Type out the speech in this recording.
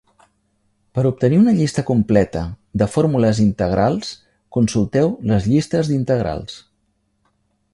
Per obtenir una llista completa de fórmules integrals, consulteu les llistes d'integrals.